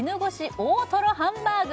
大とろハンバーグ？